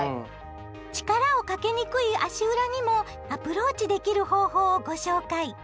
力をかけにくい足裏にもアプローチできる方法をご紹介！